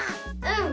うん。